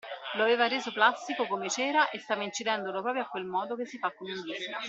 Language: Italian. Lo aveva reso plastico come cera e stava incidendolo proprio a quel modo che si fa con un disco.